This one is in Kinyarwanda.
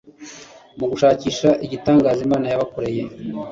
Mugushakisha igitangaza Imana yabakoreye